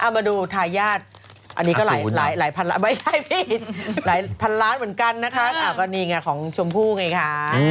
มาดูทายาทอันนี้ก็หลายพันล้านเหมือนกันนี่ไงของชมพู่ไงคะ